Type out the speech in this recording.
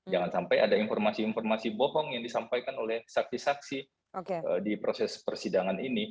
jangan sampai ada informasi informasi bohong yang disampaikan oleh saksi saksi di proses persidangan ini